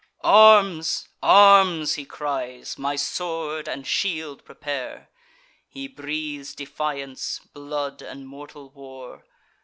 "Arms! arms!" he cries: "my sword and shield prepare!" He breathes defiance, blood, and mortal war.